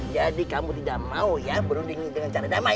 jadi kamu tidak mau ya berundingin dengan cara damai